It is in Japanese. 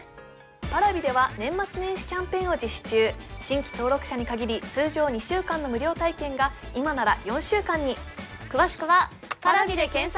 Ｐａｒａｖｉでは年末年始キャンペーンを実施中新規登録者に限り通常２週間の無料体験が今なら４週間に詳しくはパラビで検索